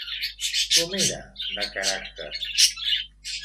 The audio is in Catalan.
Com era de caràcter?